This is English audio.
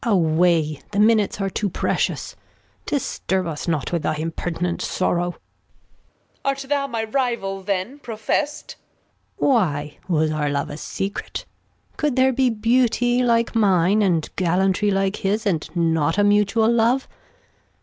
Gon. Away, the Minutes are too precious. Disturb us not with thy impertinent Sorrow. Reg. Art thou my Rival then protest ? Gon. Why, was our Love a Secret ? Cou'd there be Beauty like mine, and Gallantry like his. And not a mutual Love